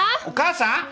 お母さん！